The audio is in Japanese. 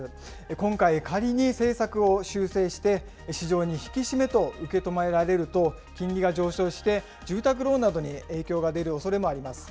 今回、仮に政策を修正して市場に引き締めと受け止められると、金利が上昇して、住宅ローンなどに影響が出るおそれもあります。